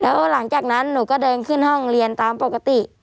แล้วหลังจากนั้นหนูก็เดินขึ้นห้องเรียนตามปกติ